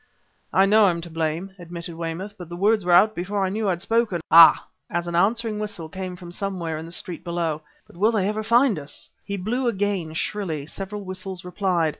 "I know I'm to blame," admitted Weymouth; "but the words were out before I knew I'd spoken. Ah!" as an answering whistle came from somewhere in the street below. "But will they ever find us?" He blew again shrilly. Several whistles replied